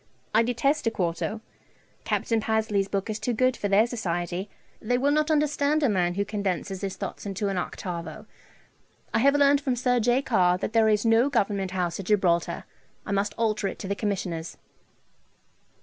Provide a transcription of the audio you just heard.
I detest a quarto. Capt. Pasley's book is too good for their society. They will not understand a man who condenses his thoughts into an octavo. I have learned from Sir J. Carr that there is no Government House at Gibraltar. I must alter it to the Commissioner's.'